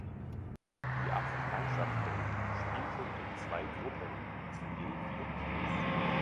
Die acht Mannschaften spielten in zwei Gruppen zu je vier Teams.